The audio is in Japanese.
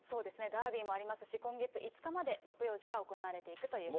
ダービーもありますし、今月５日まで行事が行われていくという。